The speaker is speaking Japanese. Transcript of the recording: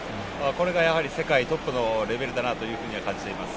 これが、やはり世界トップのレベルだなと感じています。